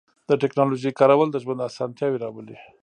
د تکنالوژۍ کارول د ژوند آسانتیاوې راولي.